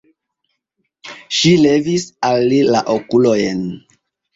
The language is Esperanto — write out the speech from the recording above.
Ŝi levis al li la okulojn.